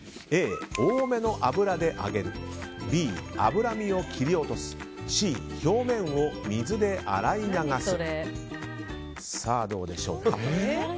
Ａ、多めの油で揚げるＢ、脂身を切り落とすＣ、表面を水で洗い流す。